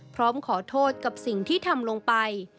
พร้อมขอโทษกับสิ่งที่ทำลงไป